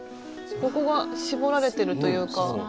ここが絞られてるというか。